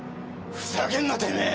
ふざけんなてめぇ！